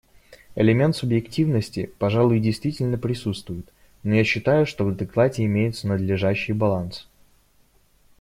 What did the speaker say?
Элемент субъективности, пожалуй, действительно присутствует, но я считаю, что в докладе имеется надлежащий баланс.